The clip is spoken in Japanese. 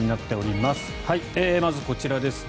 まず、こちらですね。